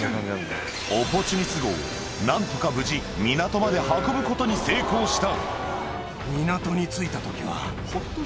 オポチュニス号を何とか無事港まで運ぶことに成功した